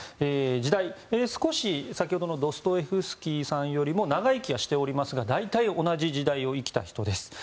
時代は少し先ほどのドストエフスキーさんより長生きしていますが大体、同じ時代を生きた人です。